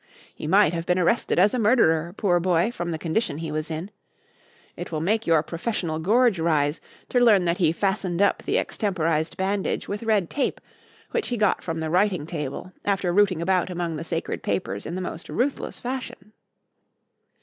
He might have been arrested as a murderer, poor boy, from the condition he was in. It will make your professional gorge rise to learn that he fastened up the extemporised bandage with red tape, which he got from the writing table after rooting about among the sacred papers in the most ruthless fashion.